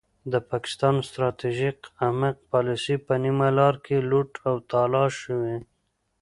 د پاکستان ستراتیژیک عمق پالیسي په نیمه لار کې لوټ او تالا شوې.